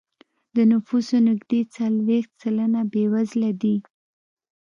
د نفوسو نږدې څلوېښت سلنه بېوزله دی.